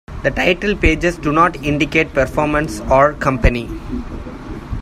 The title pages do not indicate performance or company.